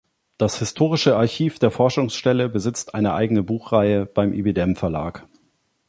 Das Historische Archiv der Forschungsstelle besitzt eine eigene Buchreihe beim Ibidem-Verlag.